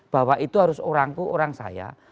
bahwa itu harus orangku orang saya